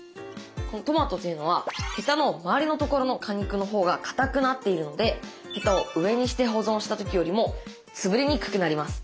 トマトというのはヘタの周りのところの果肉のほうがかたくなっているのでヘタを上にして保存した時よりも潰れにくくなります。